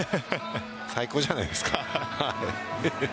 最高じゃないですか。